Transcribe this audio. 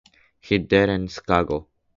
He died in Chicago.